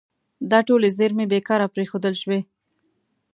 دا ټولې زیرمې بې کاره پرېښودل شوي.